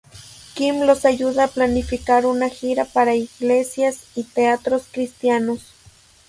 Kim los ayuda a planificar una gira por iglesias y teatros cristianos.